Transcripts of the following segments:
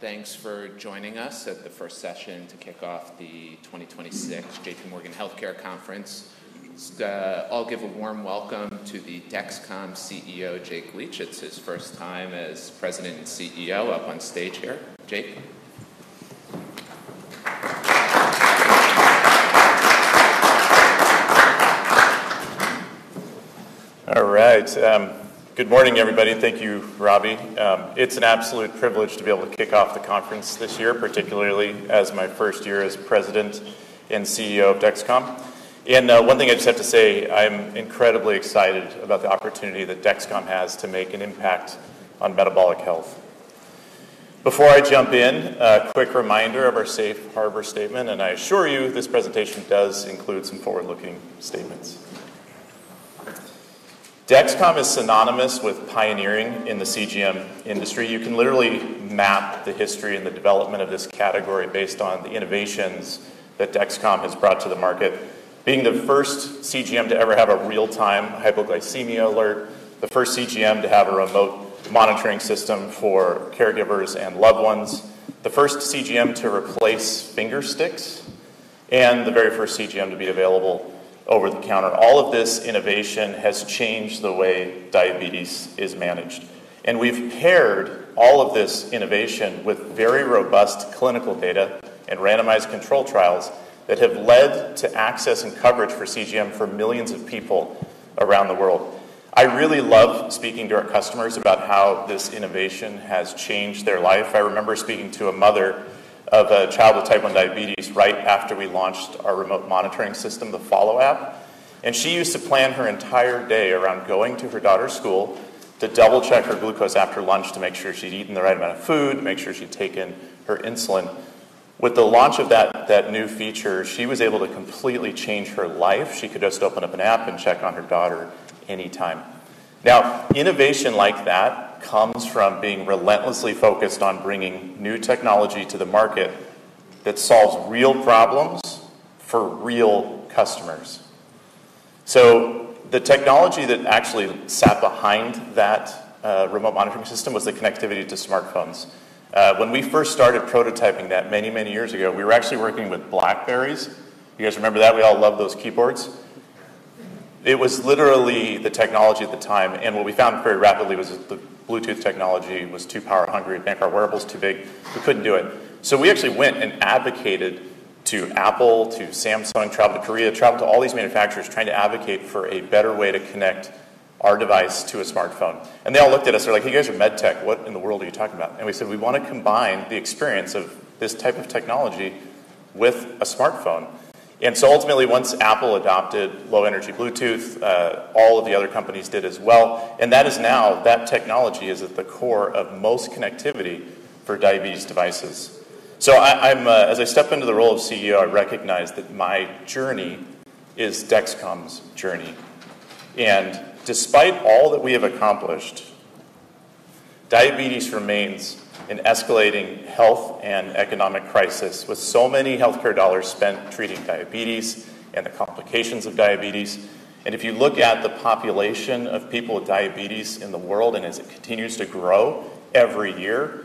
Thanks for joining us at the first session to kick off the 2026 JPMorgan Healthcare Conference. I'll give a warm welcome to the Dexcom CEO, Jake Leach. It's his first time as President and CEO up on stage here. Jake. All right. Good morning, everybody. Thank you, Robbie. It's an absolute privilege to be able to kick off the conference this year, particularly as my first year as President and CEO of Dexcom. And one thing I just have to say, I'm incredibly excited about the opportunity that Dexcom has to make an impact on metabolic health. Before I jump in, a quick reminder of our Safe Harbor Statement, and I assure you this presentation does include some forward-looking statements. Dexcom is synonymous with pioneering in the CGM industry. You can literally map the history and the development of this category based on the innovations that Dexcom has brought to the market, being the first CGM to ever have a real-time hypoglycemia alert, the first CGM to have a remote monitoring system for caregivers and loved ones, the first CGM to replace finger sticks, and the very first CGM to be available over the counter. All of this innovation has changed the way diabetes is managed. And we've paired all of this innovation with very robust clinical data and randomized control trials that have led to access and coverage for CGM for millions of people around the world. I really love speaking to our customers about how this innovation has changed their life. I remember speaking to a mother of a child with Type 1 diabetes right after we launched our remote monitoring system, the Follow app. She used to plan her entire day around going to her daughter's school to double-check her glucose after lunch to make sure she'd eaten the right amount of food, to make sure she'd taken her insulin. With the launch of that new feature, she was able to completely change her life. She could just open up an app and check on her daughter anytime. Now, innovation like that comes from being relentlessly focused on bringing new technology to the market that solves real problems for real customers, so the technology that actually sat behind that remote monitoring system was the connectivity to smartphones. When we first started prototyping that many, many years ago, we were actually working with BlackBerrys. You guys remember that? We all love those keyboards. It was literally the technology at the time. What we found very rapidly was that the Bluetooth technology was too power-hungry. Bank card wearables were too big, we couldn't do it. So we actually went and advocated to Apple, to Samsung, traveled to Korea, traveled to all these manufacturers trying to advocate for a better way to connect our device to a smartphone. And they all looked at us. They're like, "You guys are MedTech. What in the world are you talking about?" And we said, "We want to combine the experience of this type of technology with a smartphone." And so ultimately, once Apple adopted low-energy Bluetooth, all of the other companies did as well. And that is now that technology is at the core of most connectivity for diabetes devices. So as I step into the role of CEO, I recognize that my journey is Dexcom's journey. Despite all that we have accomplished, diabetes remains an escalating health and economic crisis with so many healthcare dollars spent treating diabetes and the complications of diabetes. If you look at the population of people with diabetes in the world, and as it continues to grow every year,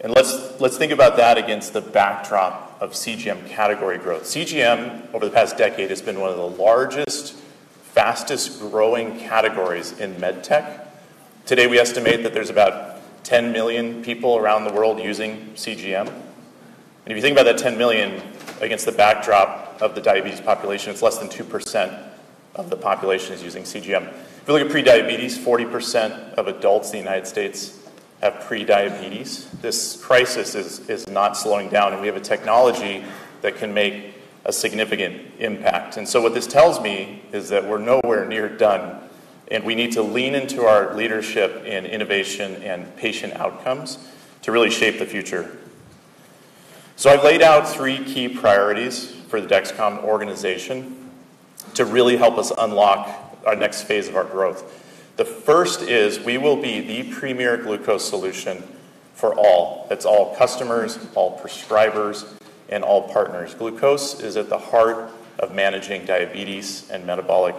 and let's think about that against the backdrop of CGM category growth. CGM, over the past decade, has been one of the largest, fastest-growing categories in MedTech. Today, we estimate that there's about 10 million people around the world using CGM. If you think about that 10 million against the backdrop of the diabetes population, it's less than 2% of the population is using CGM. If you look at prediabetes, 40% of adults in the United States have prediabetes. This crisis is not slowing down. We have a technology that can make a significant impact. And so what this tells me is that we're nowhere near done. And we need to lean into our leadership in innovation and patient outcomes to really shape the future. So I've laid out three key priorities for the Dexcom organization to really help us unlock our next phase of our growth. The first is we will be the premier glucose solution for all. That's all customers, all prescribers, and all partners. Glucose is at the heart of managing diabetes and metabolic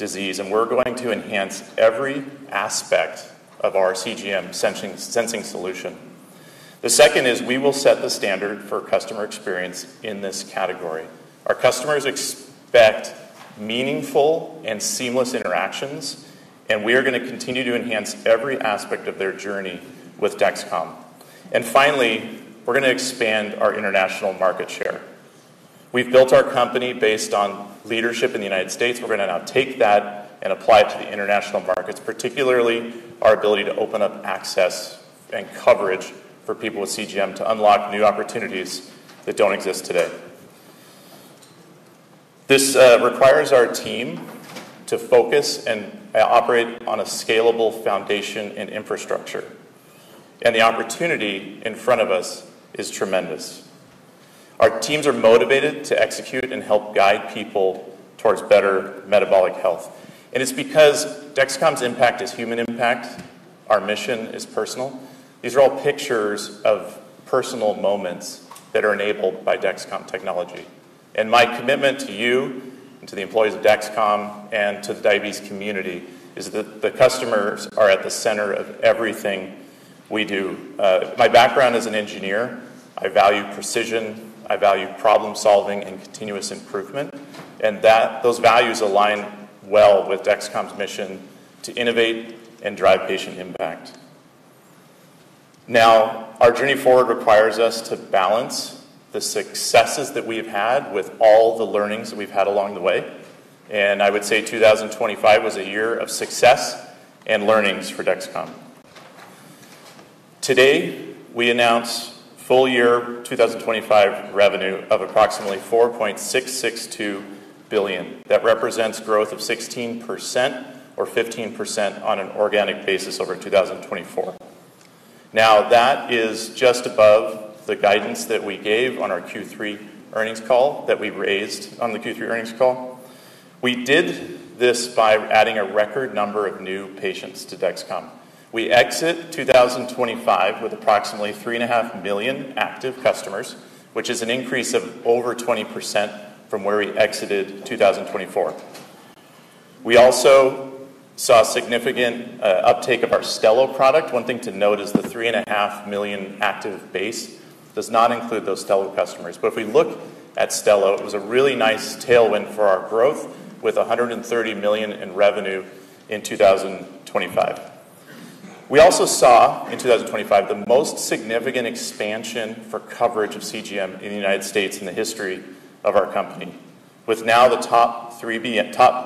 disease. And we're going to enhance every aspect of our CGM sensing solution. The second is we will set the standard for customer experience in this category. Our customers expect meaningful and seamless interactions. And we are going to continue to enhance every aspect of their journey with Dexcom. And finally, we're going to expand our International market share. We've built our company based on leadership in the United States. We're going to now take that and apply it to the International markets, particularly our ability to open up access and coverage for people with CGM to unlock new opportunities that don't exist today. This requires our team to focus and operate on a scalable foundation and infrastructure, and the opportunity in front of us is tremendous. Our teams are motivated to execute and help guide people towards better metabolic health, and it's because Dexcom's impact is human impact. Our mission is personal. These are all pictures of personal moments that are enabled by Dexcom technology, and my commitment to you and to the employees of Dexcom and to the diabetes community is that the customers are at the center of everything we do. My background is an engineer. I value precision, I value problem-solving and continuous improvement. Those values align well with Dexcom's mission to innovate and drive patient impact. Now, our journey forward requires us to balance the successes that we have had with all the learnings that we've had along the way. I would say 2025 was a year of success and learnings for Dexcom. Today, we announce full year 2025 revenue of approximately $4.662 billion. That represents growth of 16% or 15% on an organic basis over 2024. Now, that is just above the guidance that we gave on our Q3 earnings call that we raised on the Q3 earnings call. We did this by adding a record number of new patients to Dexcom. We exit 2025 with approximately 3.5 million active customers, which is an increase of over 20% from where we exited 2024. We also saw significant uptake of our Stelo product. One thing to note is the 3.5 million active base does not include those Stelo customers. But if we look at Stelo, it was a really nice tailwind for our growth with $130 million in revenue in 2025. We also saw in 2025 the most significant expansion for coverage of CGM in the United States in the history of our company, with now the top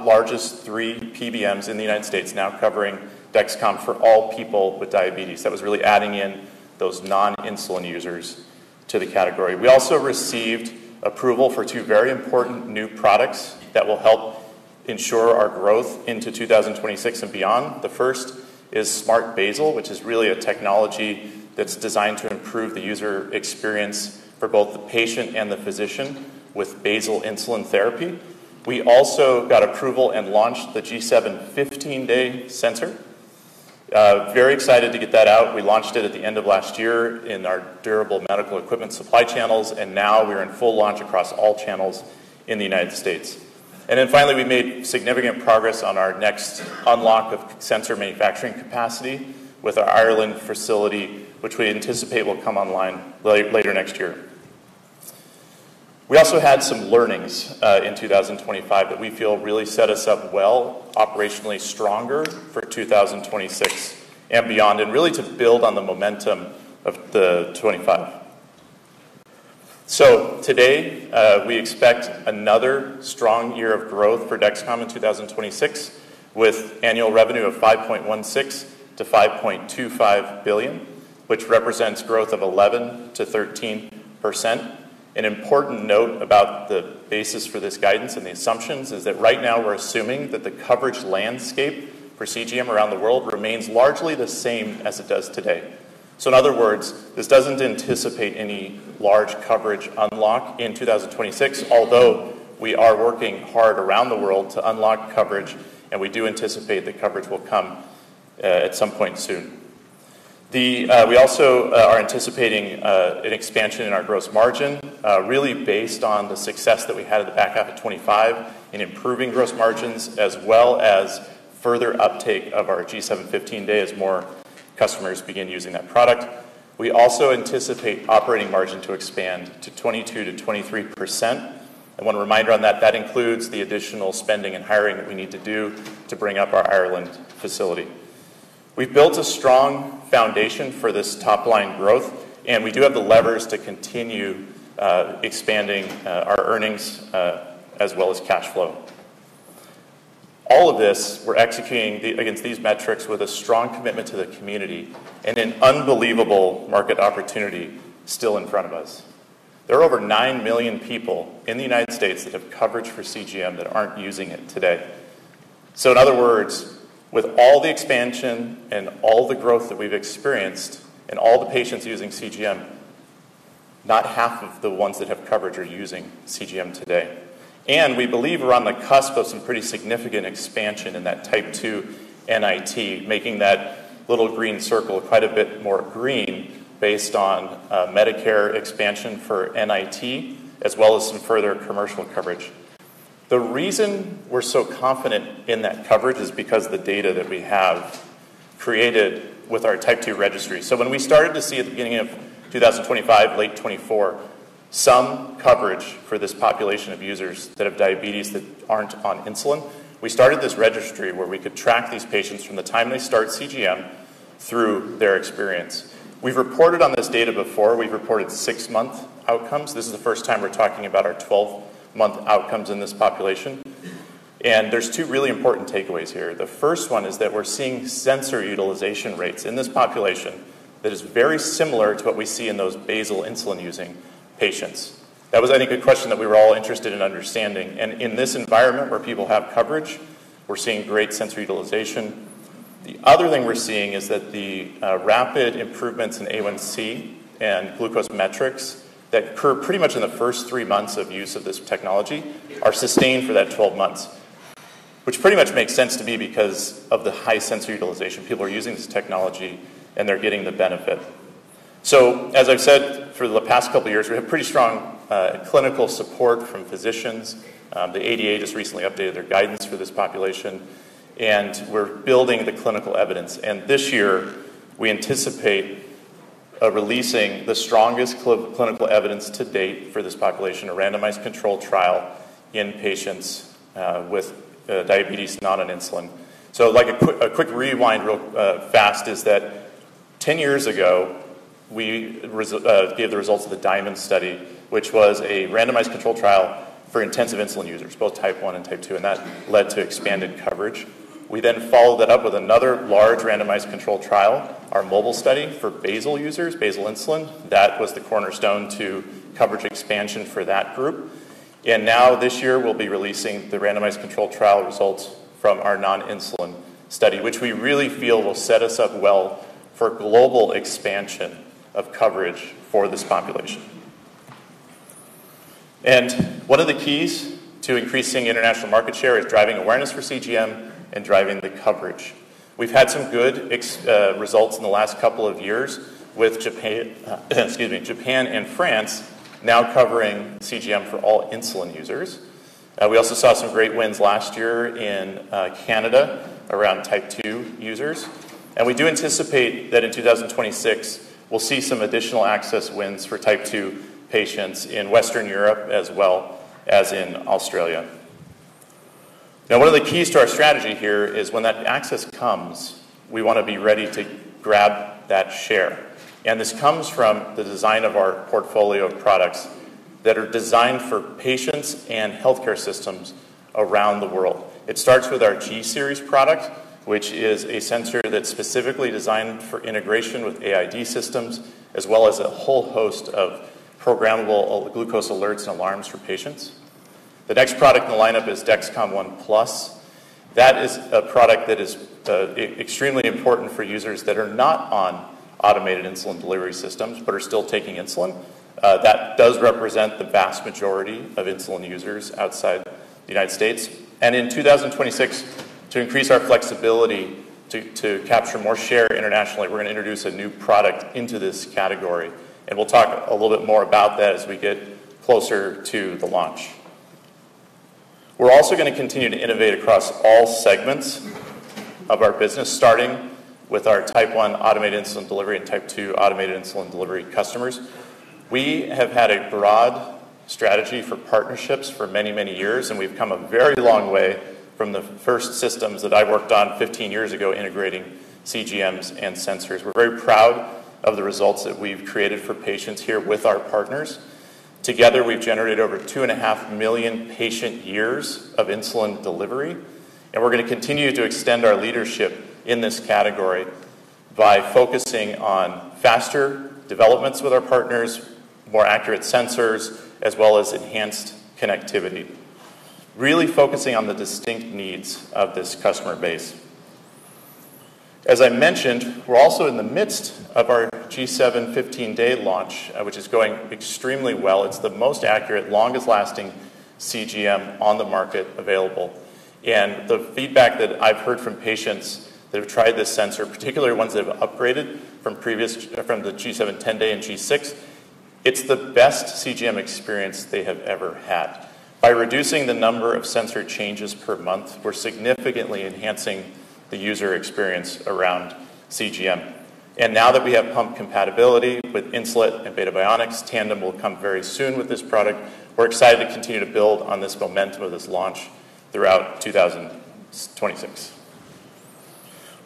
largest three PBMs in the United States now covering Dexcom for all people with diabetes. That was really adding in those non-insulin users to the category. We also received approval for two very important new products that will help ensure our growth into 2026 and beyond. The first is Smart Basal, which is really a technology that's designed to improve the user experience for both the patient and the physician with basal insulin therapy. We also got approval and launched the G7 15-day sensor. Very excited to get that out. We launched it at the end of last year in our durable medical equipment supply channels, and now we're in full launch across all channels in the United States, and then finally, we made significant progress on our next unlock of sensor manufacturing capacity with our Ireland facility, which we anticipate will come online later next year. We also had some learnings in 2025 that we feel really set us up well, operationally stronger for 2026 and beyond, and really to build on the momentum of 2025, so today, we expect another strong year of growth for Dexcom in 2026 with annual revenue of $5.16 billion-$5.25 billion, which represents growth of 11%-13%. An important note about the basis for this guidance and the assumptions is that right now we're assuming that the coverage landscape for CGM around the world remains largely the same as it does today, so in other words, this doesn't anticipate any large coverage unlock in 2026, although we are working hard around the world to unlock coverage, and we do anticipate that coverage will come at some point soon. We also are anticipating an expansion in our gross margin, really based on the success that we had at the back half of 2025 in improving gross margins, as well as further uptake of our G7 15-day as more customers begin using that product. We also anticipate operating margin to expand to 22%-23%, and one reminder on that, that includes the additional spending and hiring that we need to do to bring up our Ireland facility. We've built a strong foundation for this top-line growth. And we do have the levers to continue expanding our earnings as well as cash flow. All of this, we're executing against these metrics with a strong commitment to the community and an unbelievable market opportunity still in front of us. There are over 9 million people in the United States that have coverage for CGM that aren't using it today. So in other words, with all the expansion and all the growth that we've experienced and all the patients using CGM, not half of the ones that have coverage are using CGM today. And we believe we're on the cusp of some pretty significant expansion in that Type 2 NIT, making that little green circle quite a bit more green based on Medicare expansion for NIT, as well as some further commercial coverage. The reason we're so confident in that coverage is because of the data that we have created with our Type 2 registry, so when we started to see at the beginning of 2025, late 2024, some coverage for this population of users that have diabetes that aren't on insulin, we started this registry where we could track these patients from the time they start CGM through their experience. We've reported on this data before. We've reported six-month outcomes. This is the first time we're talking about our 12-month outcomes in this population, and there's two really important takeaways here. The first one is that we're seeing sensor utilization rates in this population that is very similar to what we see in those basal insulin-using patients. That was, I think, a question that we were all interested in understanding. In this environment where people have coverage, we're seeing great sensor utilization. The other thing we're seeing is that the rapid improvements in A1C and glucose metrics that occur pretty much in the first three months of use of this technology are sustained for that 12 months, which pretty much makes sense to me because of the high sensor utilization. People are using this technology, and they're getting the benefit. As I've said, for the past couple of years, we have pretty strong clinical support from physicians. The ADA just recently updated their guidance for this population. We're building the clinical evidence. This year, we anticipate releasing the strongest clinical evidence to date for this population, a randomized controlled trial in patients with diabetes not on insulin. So a quick rewind real fast is that 10 years ago, we gave the results of the DIAMOND study, which was a randomized controlled trial for intensive insulin users, both Type 1 and Type 2. And that led to expanded coverage. We then followed that up with another large randomized controlled trial, our MOBILE study for basal users, basal insulin. That was the cornerstone to coverage expansion for that group. And now this year, we'll be releasing the randomized controlled trial results from our non-insulin study, which we really feel will set us up well for global expansion of coverage for this population. And one of the keys to increasing International market share is driving awareness for CGM and driving the coverage. We've had some good results in the last couple of years with Japan and France now covering CGM for all insulin users. We also saw some great wins last year in Canada around Type 2 users. And we do anticipate that in 2026, we'll see some additional access wins for Type 2 patients in Western Europe as well as in Australia. Now, one of the keys to our strategy here is when that access comes, we want to be ready to grab that share. And this comes from the design of our portfolio of products that are designed for patients and healthcare systems around the world. It starts with our G-Series product, which is a sensor that's specifically designed for integration with AID systems, as well as a whole host of programmable glucose alerts and alarms for patients. The next product in the lineup is Dexcom ONE+. That is a product that is extremely important for users that are not on automated insulin delivery systems but are still taking insulin. That does represent the vast majority of insulin users outside the United States and in 2026, to increase our flexibility to capture more share Internationally, we're going to introduce a new product into this category. And we'll talk a little bit more about that as we get closer to the launch. We're also going to continue to innovate across all segments of our business, starting with our Type 1 automated insulin delivery and Type 2 automated insulin delivery customers. We have had a broad strategy for partnerships for many, many years. And we've come a very long way from the first systems that I worked on 15 years ago integrating CGMs and sensors. We're very proud of the results that we've created for patients here with our partners. Together, we've generated over 2.5 million patient years of insulin delivery. We're going to continue to extend our leadership in this category by focusing on faster developments with our partners, more accurate sensors, as well as enhanced connectivity, really focusing on the distinct needs of this customer base. As I mentioned, we're also in the midst of our G7 15-day launch, which is going extremely well. It's the most accurate, longest-lasting CGM on the market available. The feedback that I've heard from patients that have tried this sensor, particularly ones that have upgraded from the G7 10-day and G6, it's the best CGM experience they have ever had. By reducing the number of sensor changes per month, we're significantly enhancing the user experience around CGM. Now that we have pump compatibility with Insulet and Beta Bionics, Tandem will come very soon with this product. We're excited to continue to build on this momentum of this launch throughout 2026.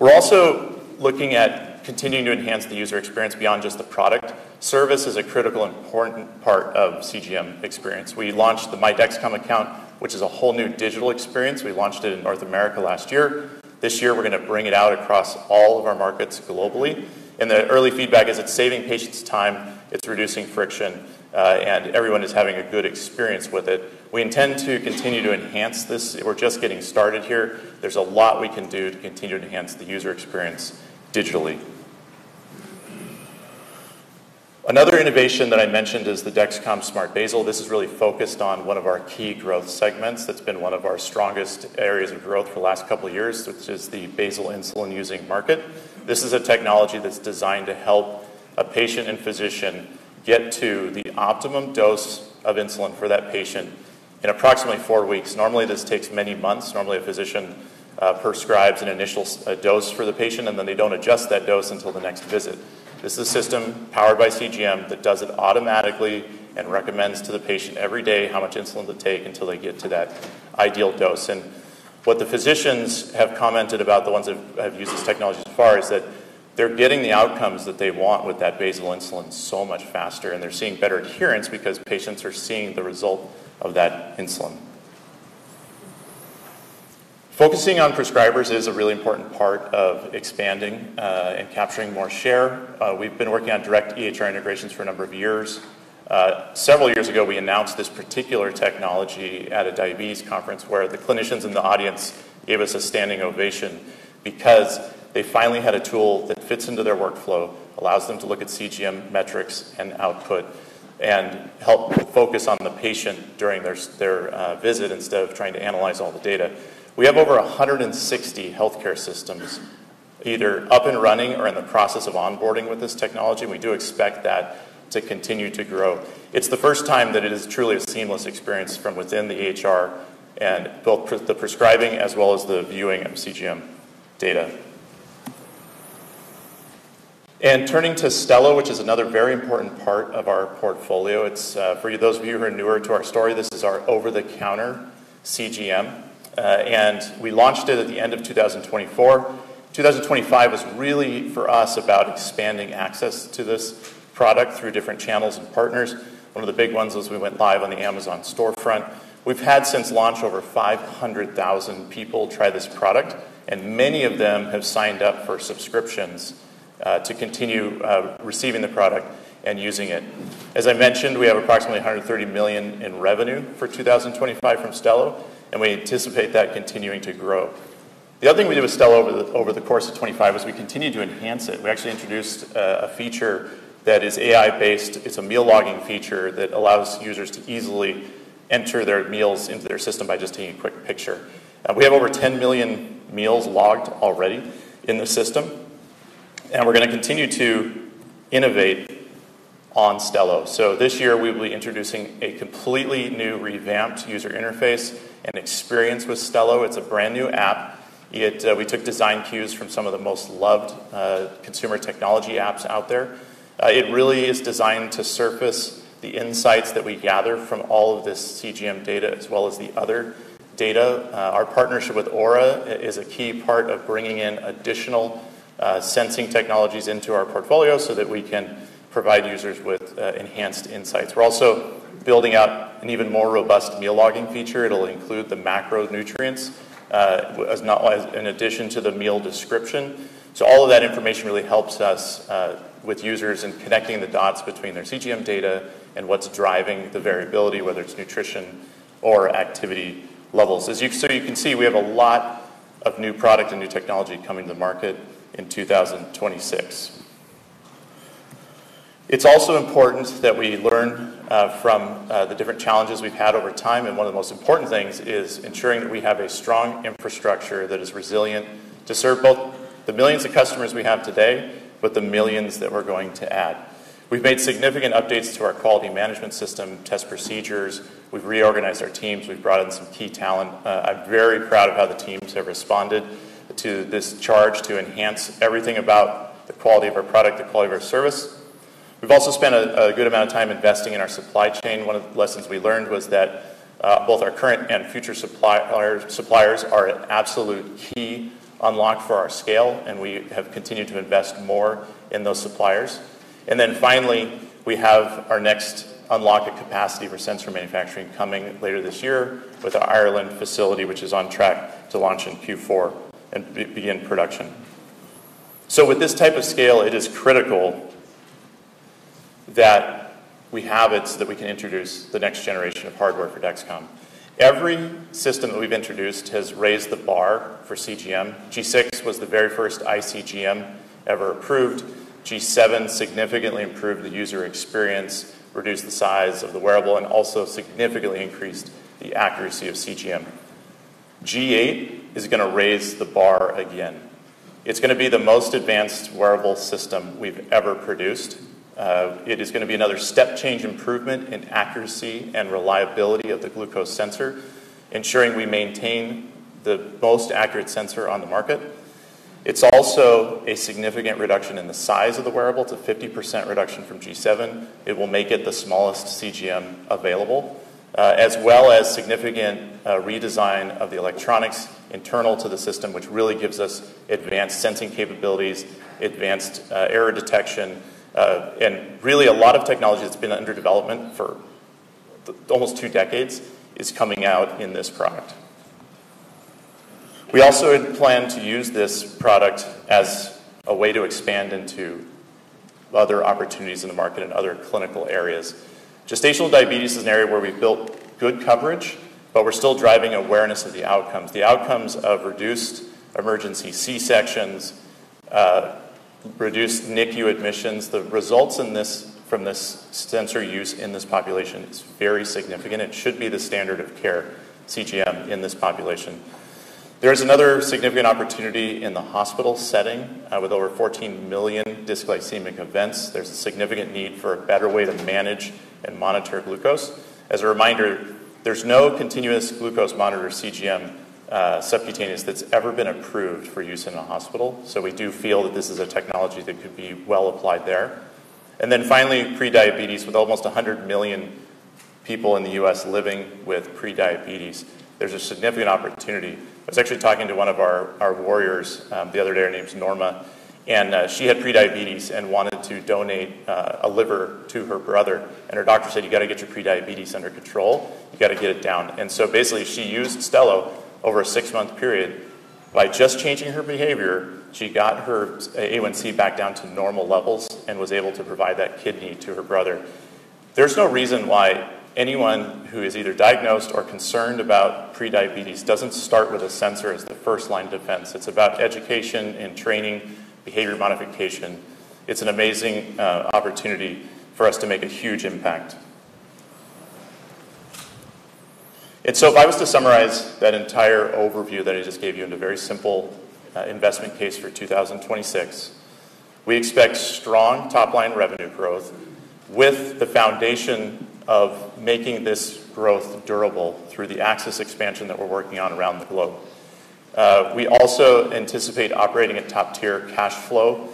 We're also looking at continuing to enhance the user experience beyond just the product. Service is a critical and important part of CGM experience. We launched the My Dexcom account, which is a whole new digital experience. We launched it in North America last year. This year, we're going to bring it out across all of our markets globally, and the early feedback is it's saving patients time. It's reducing friction, and everyone is having a good experience with it. We intend to continue to enhance this. We're just getting started here. There's a lot we can do to continue to enhance the user experience digitally. Another innovation that I mentioned is the Dexcom Smart Basal. This is really focused on one of our key growth segments that's been one of our strongest areas of growth for the last couple of years, which is the basal insulin-using market. This is a technology that's designed to help a patient and physician get to the optimum dose of insulin for that patient in approximately four weeks. Normally, this takes many months. Normally, a physician prescribes an initial dose for the patient, and then they don't adjust that dose until the next visit. This is a system powered by CGM that does it automatically and recommends to the patient every day how much insulin to take until they get to that ideal dose. And what the physicians have commented about, the ones that have used this technology so far, is that they're getting the outcomes that they want with that basal insulin so much faster. And they're seeing better adherence because patients are seeing the result of that insulin. Focusing on prescribers is a really important part of expanding and capturing more share. We've been working on direct EHR integrations for a number of years. Several years ago, we announced this particular technology at a diabetes conference where the clinicians in the audience gave us a standing ovation because they finally had a tool that fits into their workflow, allows them to look at CGM metrics and output, and help focus on the patient during their visit instead of trying to analyze all the data. We have over 160 healthcare systems either up and running or in the process of onboarding with this technology, and we do expect that to continue to grow. It's the first time that it is truly a seamless experience from within the EHR and both the prescribing as well as the viewing of CGM data, and turning to Stelo, which is another very important part of our portfolio. For those of you who are newer to our story, this is our over-the-counter CGM. And we launched it at the end of 2024. 2025 was really, for us, about expanding access to this product through different channels and partners. One of the big ones was we went live on the Amazon storefront. We've had, since launch, over 500,000 people try this product. And many of them have signed up for subscriptions to continue receiving the product and using it. As I mentioned, we have approximately $130 million in revenue for 2025 from Stelo. And we anticipate that continuing to grow. The other thing we did with Stelo over the course of 2025 is we continued to enhance it. We actually introduced a feature that is AI-based. It's a meal logging feature that allows users to easily enter their meals into their system by just taking a quick picture. We have over 10 million meals logged already in the system, and we're going to continue to innovate on Stelo, so this year, we will be introducing a completely new revamped user interface and experience with Stelo. It's a brand new app. We took design cues from some of the most loved consumer technology apps out there. It really is designed to surface the insights that we gather from all of this CGM data as well as the other data. Our partnership with ŌURA is a key part of bringing in additional sensing technologies into our portfolio so that we can provide users with enhanced insights. We're also building out an even more robust meal logging feature. It'll include the macronutrients in addition to the meal description. So all of that information really helps us with users and connecting the dots between their CGM data and what's driving the variability, whether it's nutrition or activity levels. So you can see we have a lot of new product and new technology coming to the market in 2026. It's also important that we learn from the different challenges we've had over time, and one of the most important things is ensuring that we have a strong infrastructure that is resilient to serve both the millions of customers we have today, but the millions that we're going to add. We've made significant updates to our quality management system, test procedures. We've reorganized our teams. We've brought in some key talent. I'm very proud of how the teams have responded to this charge to enhance everything about the quality of our product, the quality of our service. We've also spent a good amount of time investing in our supply chain. One of the lessons we learned was that both our current and future suppliers are an absolute key unlock for our scale, and we have continued to invest more in those suppliers, and then finally, we have our next unlocked capacity for sensor manufacturing coming later this year with our Ireland facility, which is on track to launch in Q4 and begin production, so with this type of scale, it is critical that we have it so that we can introduce the next generation of hardware for Dexcom. Every system that we've introduced has raised the bar for CGM. G6 was the very first iCGM ever approved. G7 significantly improved the user experience, reduced the size of the wearable, and also significantly increased the accuracy of CGM. G8 is going to raise the bar again. It's going to be the most advanced wearable system we've ever produced. It is going to be another step-change improvement in accuracy and reliability of the glucose sensor, ensuring we maintain the most accurate sensor on the market. It's also a significant reduction in the size of the wearable, to a 50% reduction from G7. It will make it the smallest CGM available, as well as a significant redesign of the electronics internal to the system, which really gives us advanced sensing capabilities, advanced error detection, and really a lot of technology that's been under development for almost two decades is coming out in this product. We also plan to use this product as a way to expand into other opportunities in the market and other clinical areas. Gestational diabetes is an area where we've built good coverage, but we're still driving awareness of the outcomes. The outcomes of reduced emergency C-sections, reduced NICU admissions, the results from this sensor use in this population is very significant. It should be the standard of care CGM in this population. There is another significant opportunity in the hospital setting with over 14 million dysglycemic events. There's a significant need for a better way to manage and monitor glucose. As a reminder, there's no continuous glucose monitor CGM subcutaneous that's ever been approved for use in a hospital. So we do feel that this is a technology that could be well applied there. And then finally, prediabetes with almost 100 million people in the U.S. living with prediabetes. There's a significant opportunity. I was actually talking to one of our warriors the other day. Her name's Norma. And she had prediabetes and wanted to donate a liver to her brother. Her doctor said, "You got to get your prediabetes under control. You got to get it down." And so basically, she used Stelo over a six-month period. By just changing her behavior, she got her A1C back down to normal levels and was able to provide that kidney to her brother. There's no reason why anyone who is either diagnosed or concerned about prediabetes doesn't start with a sensor as the first line of defense. It's about education and training, behavior modification. It's an amazing opportunity for us to make a huge impact. And so if I was to summarize that entire overview that I just gave you into very simple investment case for 2026, we expect strong top-line revenue growth with the foundation of making this growth durable through the access expansion that we're working on around the globe. We also anticipate operating at top-tier cash flow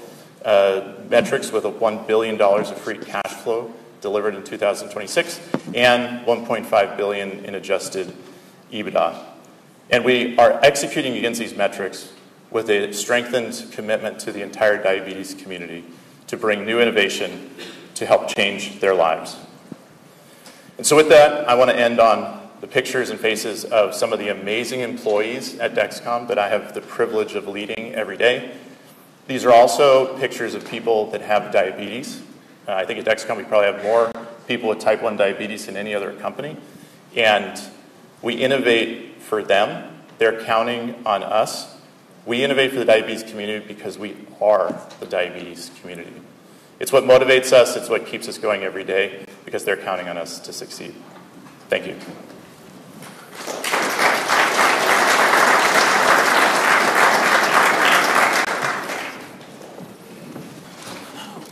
metrics with $1 billion of free cash flow delivered in 2026 and $1.5 billion in adjusted EBITDA, and we are executing against these metrics with a strengthened commitment to the entire diabetes community to bring new innovation to help change their lives, and so with that, I want to end on the pictures and faces of some of the amazing employees at Dexcom that I have the privilege of leading every day. These are also pictures of people that have diabetes. I think at Dexcom, we probably have more people with Type 1 diabetes than any other company, and we innovate for them. They're counting on us. We innovate for the diabetes community because we are the diabetes community. It's what motivates us. It's what keeps us going every day because they're counting on us to succeed. Thank you.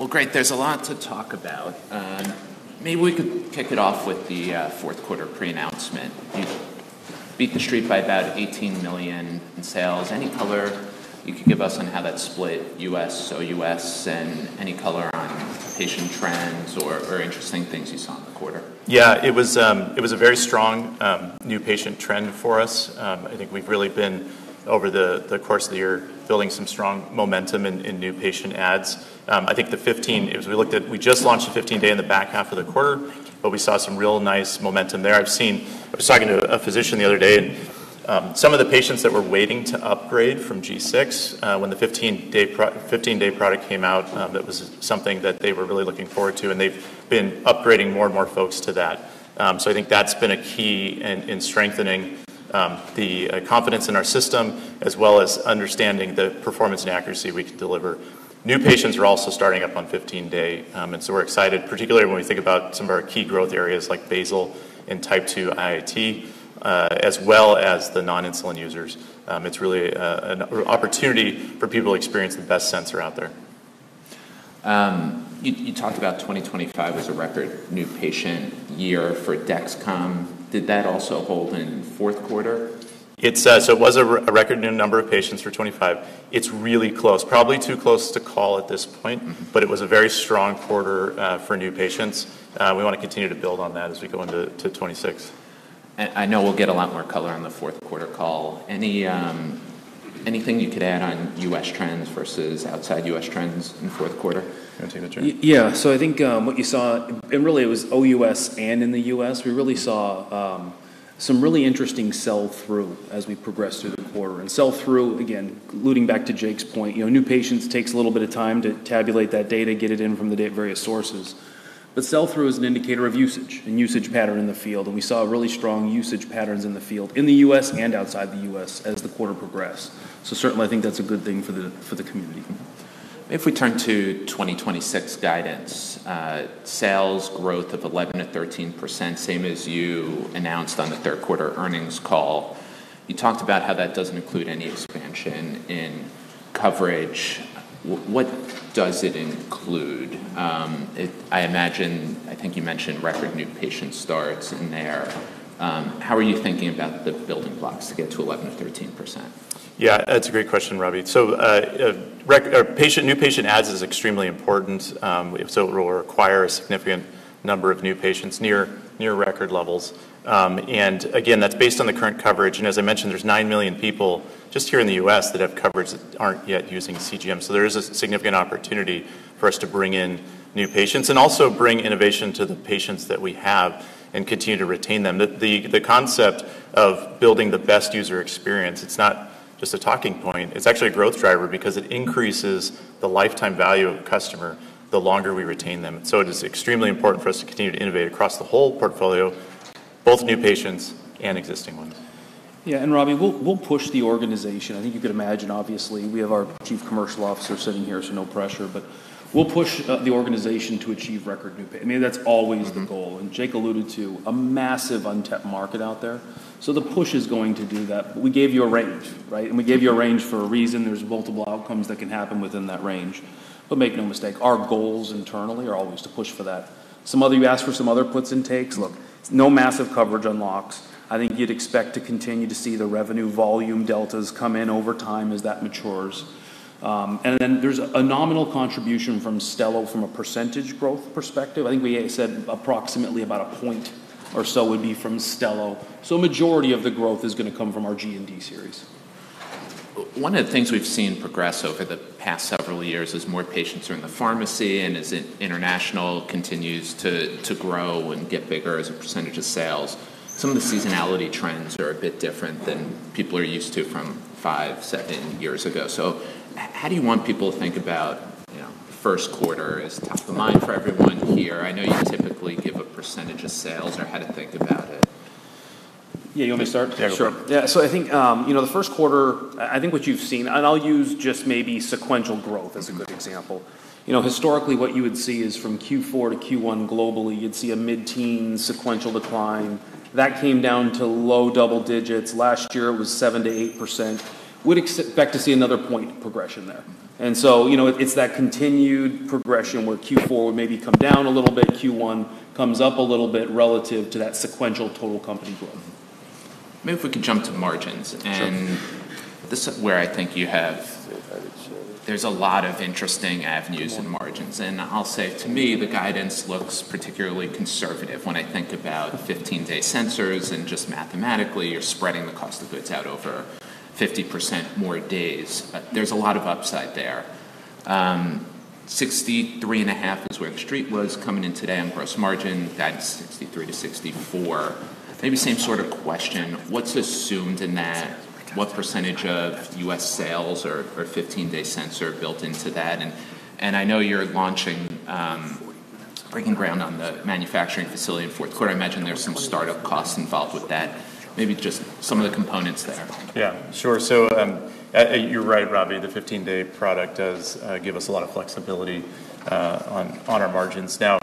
Well, great. There's a lot to talk about. Maybe we could kick it off with the Q4 pre-announcement. You beat the street by about $18 million in sales. Any color you could give us on how that split US/OUS and any color on patient trends or interesting things you saw in the quarter? Yeah. It was a very strong new patient trend for us. I think we've really been, over the course of the year, building some strong momentum in new patient adds. I think the 15, we just launched a 15-day in the back half of the quarter, but we saw some real nice momentum there. I was talking to a physician the other day. Some of the patients that were waiting to upgrade from G6 when the 15-day product came out, that was something that they were really looking forward to. And they've been upgrading more and more folks to that. So I think that's been a key in strengthening the confidence in our system as well as understanding the performance and accuracy we can deliver. New patients are also starting up on 15-day. We're excited, particularly when we think about some of our key growth areas like basal and Type 2 IIT, as well as the non-insulin users. It's really an opportunity for people to experience the best sensor out there. You talked about 2025 was a record new patient year for Dexcom. Did that also hold in Q4? So it was a record new number of patients for 2025. It's really close, probably too close to call at this point, but it was a very strong quarter for new patients. We want to continue to build on that as we go into 2026. And I know we'll get a lot more color on the Q4 call. Anything you could add on U.S. trends versus outside U.S. trends in Q4? Can I take the turn? Yeah. So I think what you saw, and really it was OUS and in the U.S., we really saw some really interesting sell-through as we progressed through the quarter. And sell-through, again, alluding back to Jake's point, new patients takes a little bit of time to tabulate that data, get it in from the various sources. But sell-through is an indicator of usage and usage pattern in the field. And we saw really strong usage patterns in the field in the U.S. and outside the U.S. as the quarter progressed. So certainly, I think that's a good thing for the community. If we turn to 2026 guidance, sales growth of 11%-13%, same as you announced on the Q3 earnings call. You talked about how that doesn't include any expansion in coverage. What does it include? I imagine, I think you mentioned record new patient starts in there. How are you thinking about the building blocks to get to 11%-13%? Yeah. That's a great question, Robbie. So new patient adds is extremely important. So it will require a significant number of new patients near record levels. And again, that's based on the current coverage. And as I mentioned, there's 9 million people just here in the U.S. that have coverage that aren't yet using CGM. So there is a significant opportunity for us to bring in new patients and also bring innovation to the patients that we have and continue to retain them. The concept of building the best user experience, it's not just a talking point. It's actually a growth driver because it increases the lifetime value of a customer the longer we retain them. So it is extremely important for us to continue to innovate across the whole portfolio, both new patients and existing ones. Yeah. And Robbie, we'll push the organization. I think you could imagine, obviously, we have our Chief Commercial Officer sitting here, so no pressure. But we'll push the organization to achieve record new patients. I mean, that's always the goal. And Jake alluded to a massive untapped market out there. So the push is going to do that. We gave you a range, right? And we gave you a range for a reason. There's multiple outcomes that can happen within that range. But make no mistake, our goals internally are always to push for that. You asked for some other puts and takes. Look, no massive coverage unlocks. I think you'd expect to continue to see the revenue volume deltas come in over time as that matures. And then there's a nominal contribution from Stelo from a percentage growth perspective. I think we said approximately about a point or so would be from Stelo. So a majority of the growth is going to come from our G7 series. One of the things we've seen progress over the past several years is more patients are in the Pharmacy, and as International continues to grow and get bigger as a percentage of sales. Some of the seasonality trends are a bit different than people are used to from five, seven years ago. So how do you want people to think about Q1 as top of mind for everyone here? I know you typically give a percentage of sales or how to think about it. Yeah. You want me to start? Yeah. Sure. Yeah. So I think the Q1, I think what you've seen, and I'll use just maybe sequential growth as a good example. Historically, what you would see is from Q4 to Q1 globally, you'd see a mid-teen sequential decline. That came down to low double-digits. Last year, it was 7%-8%. We'd expect to see another point of progression there. And so it's that continued progression where Q4 will maybe come down a little bit, Q1 comes up a little bit relative to that sequential total company growth. Maybe if we could jump to margins. And this is where I think you have, there's a lot of interesting avenues in margins. And I'll say, to me, the guidance looks particularly conservative when I think about 15-day sensors. And just mathematically, you're spreading the cost of goods out over 50% more days. There's a lot of upside there. 63.5% is where the street was coming in today on gross margin. That's 63%-64%. Maybe same sort of question. What's assumed in that? What percentage of U.S. sales or 15-day sensor built into that? And I know you're launching, breaking ground on the manufacturing facility in Q4. I imagine there's some startup costs involved with that. Maybe just some of the components there. Yeah. Sure. So you're right, Robbie. The 15-day product does give us a lot of flexibility on our margins. Now,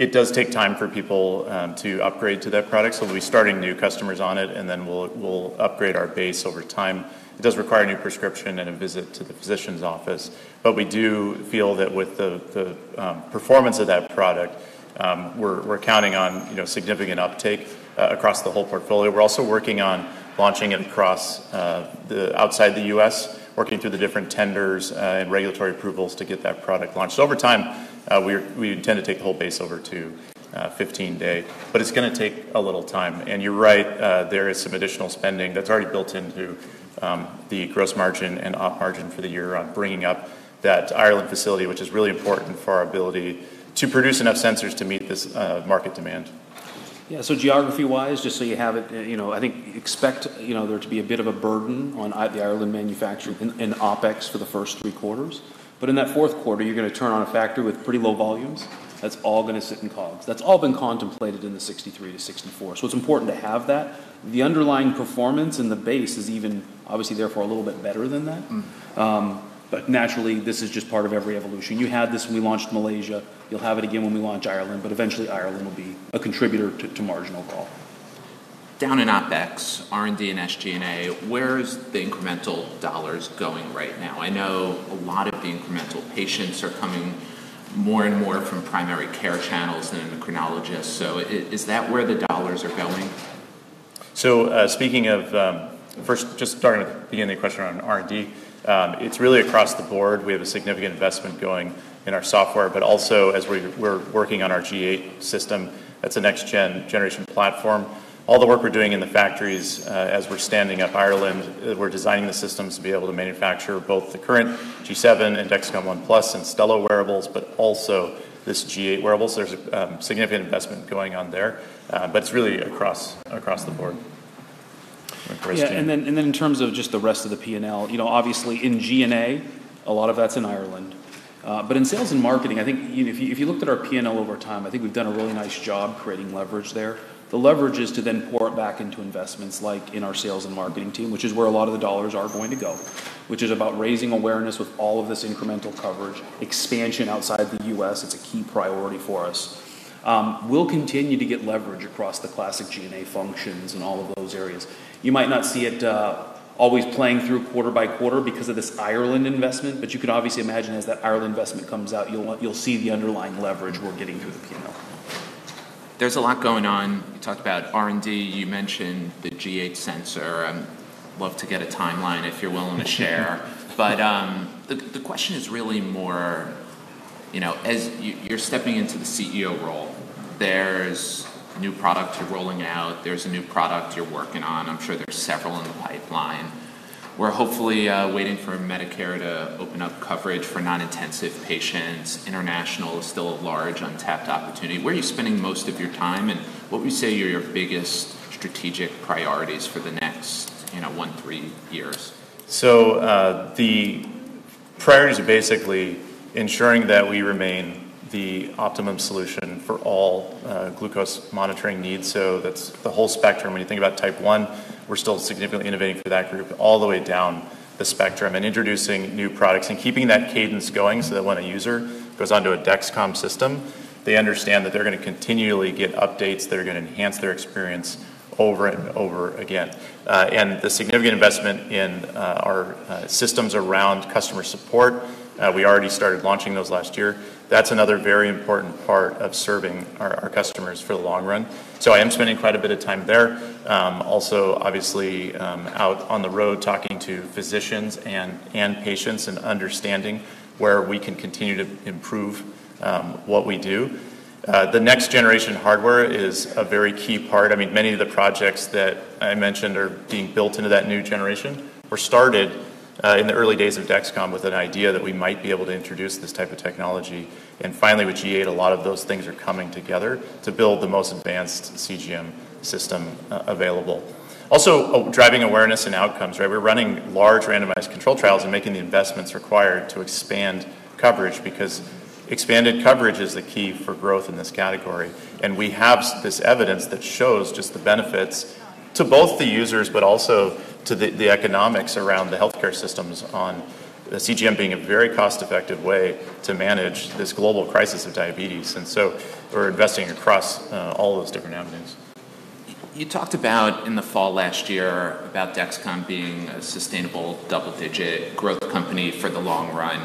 it does take time for people to upgrade to that product. So we'll be starting new customers on it, and then we'll upgrade our base over time. It does require a new prescription and a visit to the physician's office. But we do feel that with the performance of that product, we're counting on significant uptake across the whole portfolio. We're also working on launching it across outside the U.S., working through the different tenders and regulatory approvals to get that product launched. Over time, we intend to take the whole base over to 15-day. But it's going to take a little time. You're right, there is some additional spending that's already built into the gross margin and op margin for the year on bringing up that Ireland facility, which is really important for our ability to produce enough sensors to meet this market demand. Yeah. So geography-wise, just so you have it, I think expect there to be a bit of a burden on the Ireland manufacturing in OpEx for the first 3Qs. But in that Q4, you're going to turn on a factory with pretty low volumes. That's all going to sit in COGS. That's all been contemplated in the 63%-64%. So it's important to have that. The underlying performance in the base is even obviously therefore a little bit better than that. But naturally, this is just part of every evolution. You had this when we launched Malaysia. You'll have it again when we launch Ireland. But eventually, Ireland will be a contributor to marginal cost. Down in OpEx, R&D and SG&A, where's the incremental dollars going right now? I know a lot of the incremental patients are coming more and more from primary care channels and endocrinologists. So is that where the dollars are going? Speaking of, first, just starting with the beginning of the question on R&D, it's really across the board. We have a significant investment going in our software, but also as we're working on our G8 system, that's a next-generation platform. All the work we're doing in the factories as we're standing up Ireland, we're designing the systems to be able to manufacture both the current G7 and Dexcom ONE+ and Stelo wearables, but also this G8 wearables. There's a significant investment going on there. But it's really across the board. Yeah. And then in terms of just the rest of the P&L, obviously in G&A, a lot of that's in Ireland. But in sales and marketing, I think if you looked at our P&L over time, I think we've done a really nice job creating leverage there. The leverage is to then pour it back into investments like in our sales and marketing team, which is where a lot of the dollars are going to go, which is about raising awareness with all of this incremental coverage, expansion outside the U.S. It's a key priority for us. We'll continue to get leverage across the classic G&A functions and all of those areas. You might not see it always playing through quarter by quarter because of this Ireland investment, but you can obviously imagine as that Ireland investment comes out, you'll see the underlying leverage we're getting through the P&L. There's a lot going on. You talked about R&D. You mentioned the G8 sensor. I'd love to get a timeline if you're willing to share. But the question is really more, as you're stepping into the CEO role, there's a new product you're rolling out. There's a new product you're working on. I'm sure there's several in the pipeline. We're hopefully waiting for Medicare to open up coverage for non-intensive patients. International is still a large untapped opportunity. Where are you spending most of your time? And what would you say are your biggest strategic priorities for the next one, three years? The priorities are basically ensuring that we remain the optimum solution for all glucose monitoring needs. That's the whole spectrum. When you think about Type 1, we're still significantly innovating for that group all the way down the spectrum and introducing new products and keeping that cadence going so that when a user goes onto a Dexcom system, they understand that they're going to continually get updates. They're going to enhance their experience over and over again. And the significant investment in our systems around customer support, we already started launching those last year. That's another very important part of serving our customers for the long run. So I am spending quite a bit of time there. Also, obviously out on the road talking to physicians and patients and understanding where we can continue to improve what we do. The next generation hardware is a very key part. I mean, many of the projects that I mentioned are being built into that new generation. We started in the early days of Dexcom with an idea that we might be able to introduce this type of technology. And finally, with G8, a lot of those things are coming together to build the most advanced CGM system available. Also, driving awareness and outcomes, right? We're running large randomized control trials and making the investments required to expand coverage because expanded coverage is the key for growth in this category. We have this evidence that shows just the benefits to both the users, but also to the economics around the healthcare systems on the CGM being a very cost-effective way to manage this global crisis of diabetes. And so we're investing across all those different avenues. You talked about in the fall last year about Dexcom being a sustainable double-digit growth company for the long run.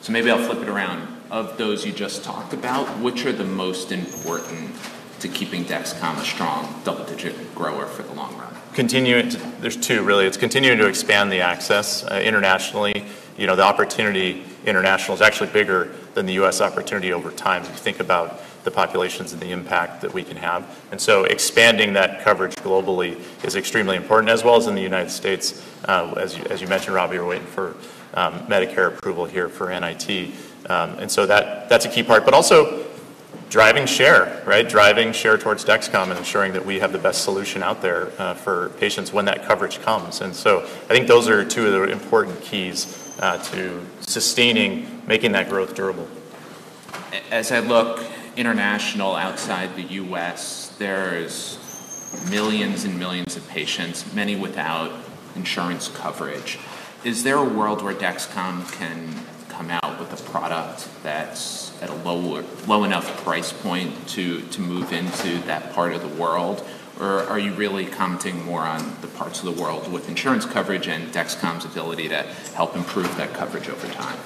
So maybe I'll flip it around. Of those you just talked about, which are the most important to keeping Dexcom a strong double-digit grower for the long run? There's two, really. It's continuing to expand the access Internationally. The International opportunity is actually bigger than the U.S. opportunity over time if you think about the populations and the impact that we can have. And so expanding that coverage globally is extremely important, as well as in the United States. As you mentioned, Robbie, we're waiting for Medicare approval here for NIT. And so that's a key part. But also driving share, right? Driving share towards Dexcom and ensuring that we have the best solution out there for patients when that coverage comes. And so I think those are two of the important keys to sustaining, making that growth durable. As I look International outside the U.S., there's millions and millions of patients, many without insurance coverage. Is there a world where Dexcom can come out with a product that's at a low enough price point to move into that part of the world? Or are you really counting more on the parts of the world with insurance coverage and Dexcom's ability to help improve that coverage over time?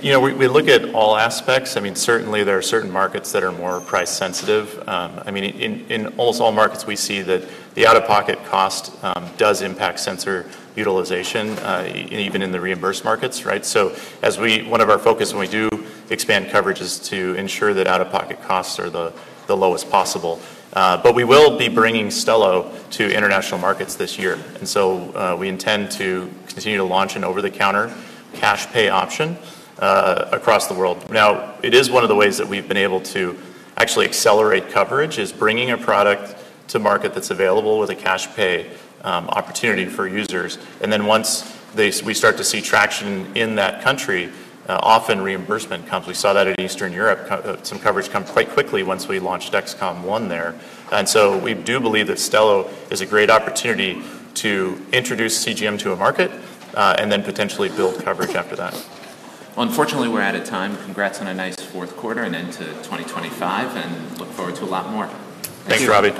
We look at all aspects. I mean, certainly there are certain markets that are more price sensitive. I mean, in almost all markets, we see that the out-of-pocket cost does impact sensor utilization, even in the reimbursed markets, right? So one of our focuses when we do expand coverage is to ensure that out-of-pocket costs are the lowest possible. But we will be bringing Stelo to International markets this year. And so we intend to continue to launch an over-the-counter cash pay option across the world. Now, it is one of the ways that we've been able to actually accelerate coverage is bringing a product to market that's available with a cash pay opportunity for users. And then once we start to see traction in that country, often reimbursement comes. We saw that in Eastern Europe. Some coverage comes quite quickly once we launched Dexcom ONE there. We do believe that Stelo is a great opportunity to introduce CGM to a market and then potentially build coverage after that. Unfortunately, we're out of time. Congrats on a nice Q4 and into 2025, and look forward to a lot more. Thanks, Robbie.